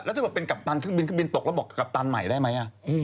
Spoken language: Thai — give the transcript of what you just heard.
แล้วถ้าเป็นกัปตันขึ้นบินขึ้นบินตกแล้วบอกกัปตันใหม่ได้ไหมอ่ะ